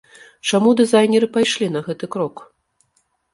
Чаму дызайнеры пайшлі на гэты крок?